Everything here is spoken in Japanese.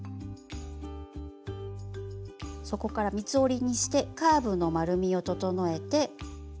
そこから三つ折りにしてカーブの丸みを整えて。